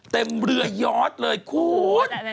เต็มเรือยอดเลยคุณ